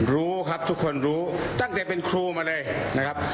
รู้ครับทุกคนรู้ตั้งแต่เป็นครูมาเลยนะครับ